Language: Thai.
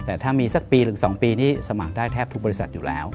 แต่ถ้ามีสักปีหรือ๒ปีนี้สมัครได้แทบทุกบริษัทอยู่แล้ว